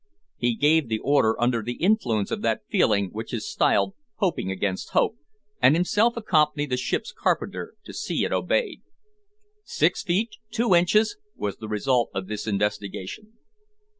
He gave the order under the influence of that feeling which is styled "hoping against hope," and himself accompanied the ship's carpenter to see it obeyed. "Six feet two inches," was the result of this investigation.